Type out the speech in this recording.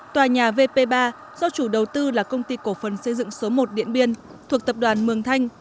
tòa nhà vp ba do chủ đầu tư là công ty cổ phần xây dựng số một điện biên thuộc tập đoàn mường thanh